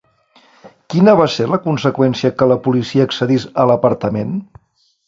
Quina va ser la conseqüència que la policia accedís a l'apartament?